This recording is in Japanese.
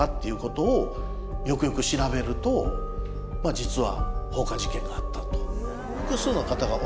実は。